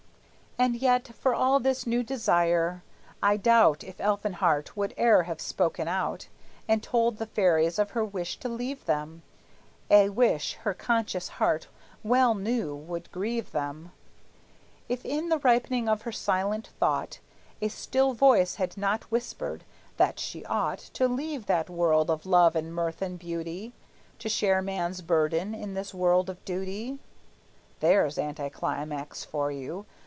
And yet, for all this new desire, I doubt If Elfinhart would e'er have spoken out, And told the fairies of her wish to leave them, (A wish her conscious heart well knew would grieve them), If in the ripening of her silent thought A still voice had not whispered that she ought To leave that world of love and mirth and beauty, To share man's burden in this world of duty. (There's anticlimax for you!